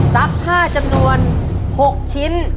ซักผ้าจำนวน๖ชิ้น